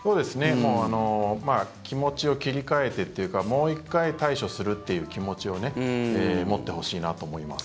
もう気持ちを切り替えてというかもう１回対処するという気持ちを持ってほしいなと思います。